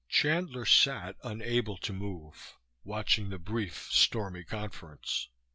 Chandler sat unable to move, watching the brief, stormy conference.